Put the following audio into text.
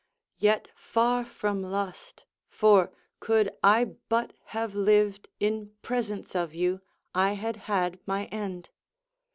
Yet far from lust; for, could I but have lived In presence of you, I had had my end.